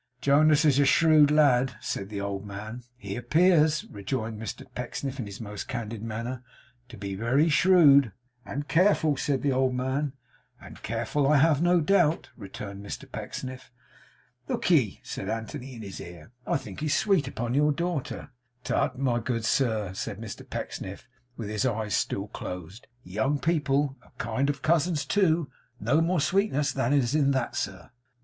'Jonas is a shrewd lad,' said the old man. 'He appears,' rejoined Mr Pecksniff in his most candid manner, 'to be very shrewd.' 'And careful,' said the old man. 'And careful, I have no doubt,' returned Mr Pecksniff. 'Look ye!' said Anthony in his ear. 'I think he is sweet upon you daughter.' 'Tut, my good sir,' said Mr Pecksniff, with his eyes still closed; 'young people young people a kind of cousins, too no more sweetness than is in that, sir.